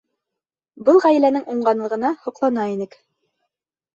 Был ғаиләнең уңғанлығына һоҡлана инек.